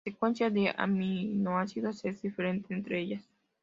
La secuencia de aminoácidos es diferente entre ellas.